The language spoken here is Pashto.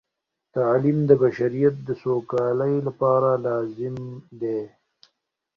تعلیم د بشریت د سوکالۍ لپاره لازم دی.